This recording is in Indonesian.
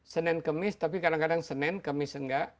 senin kemis tapi kadang kadang senin kemis enggak